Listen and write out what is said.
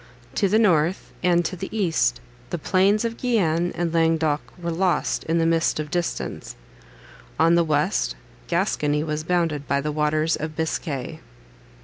To the north, and to the east, the plains of Guienne and Languedoc were lost in the mist of distance; on the west, Gascony was bounded by the waters of Biscay.